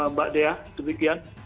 mbak dea sebegian